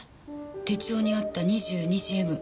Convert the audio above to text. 手帳にあった「２２時Ｍ」。